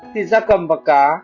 thịt da cầm và cá